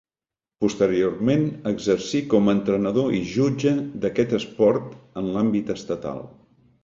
Posteriorment exercí com a entrenador i jutge d'aquest esport en l'àmbit estatal.